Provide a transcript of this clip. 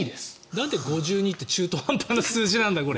なんで５２位って中途半端な数字なんだ、これ。